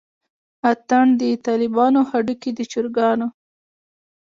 اتڼ دطالبانو هډوکے دچرګانو